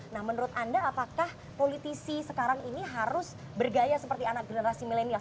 nah menurut anda apakah politisi sekarang ini harus bergaya seperti anak generasi milenial